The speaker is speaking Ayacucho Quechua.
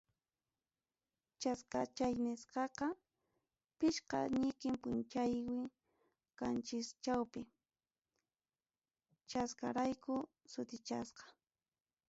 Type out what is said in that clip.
Chaskachaw nisqaqa, pichqa ñiqin punchawmi qanchischawpi, chaskarayku sutichasqa.